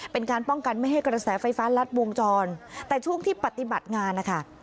เป็นการป้องกันไม่ให้กระแสไฟฟ้ารัดวงจรแต่ช่วงที่ปฏิบัติงานนะคะ